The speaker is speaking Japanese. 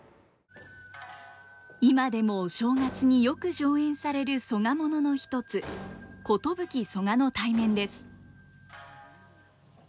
今でもお正月によく上演される曽我ものの一つ「寿曽我対面」です。